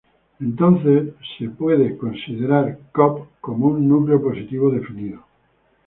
Entonces Cov puede ser considerado como un núcleo positivo definido.